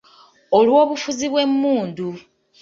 Olw’obufuzi bw’emmundu.